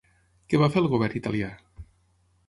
Què va fer el govern Italià?